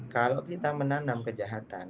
kalau kita menanam kejahatan